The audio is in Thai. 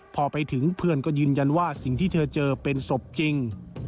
พอไปถึงเพื่อนก็ยืนยันว่าสิ่งที่เธอเจอเป็นศพจริง